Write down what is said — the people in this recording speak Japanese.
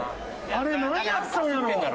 あれなんやったんやろ？